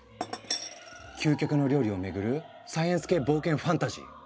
究極の料理をめぐるサイエンス系冒険ファンタジー。